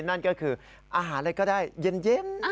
นั่นก็คืออาหารอะไรก็ได้เย็น